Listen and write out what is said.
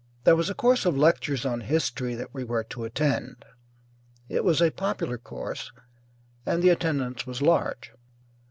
There was a course of lectures on history that we were to attend. It was a popular course, and the attendance was large.